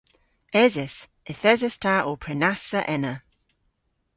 Eses. Yth eses ta ow prenassa ena.